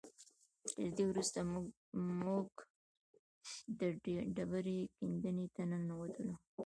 تر دې وروسته موږ د ډبرې ګنبدې ته ننوتلو.